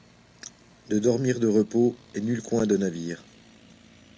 De dormir en repos, et nul coin de navire